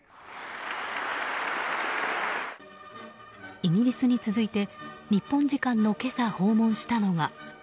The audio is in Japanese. イギリスに続いて日本時間のけさ訪問したのは。